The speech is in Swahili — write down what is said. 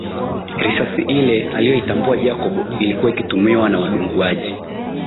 Risasi ile aliyoitambua Jacob ilikuwa ikitumiwa na wadunguaji